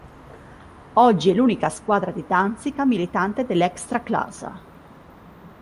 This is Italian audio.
Oggi è l'unica squadra di Danzica militante nell'Ekstraklasa.